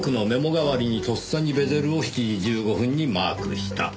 代わりにとっさにベゼルを７時１５分にマークした。